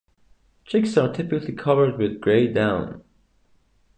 Chicks are typically covered with grey down.